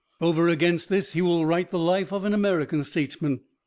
Over against this he will write the life of an American statesman.